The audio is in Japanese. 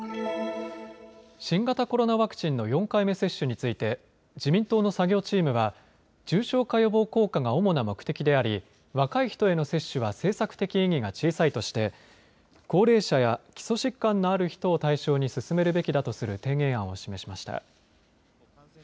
新型コロナワクチンの４回目接種について自民党の作業チームは重症化予防効果が主な目的であり若い人への接種は政策的意義が小さいとして高齢者や基礎疾患のある人を対象に進めるべきだとする提言案を示しました。